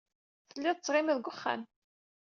Tellid tettɣimid deg wexxam.